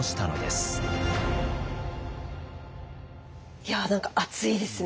いや何か熱いですね